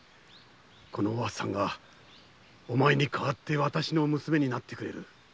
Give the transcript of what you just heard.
このお初さんがお前に代わってわたしの娘になってくれる。